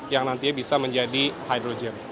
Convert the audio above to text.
yang nantinya bisa menjadi hydrogen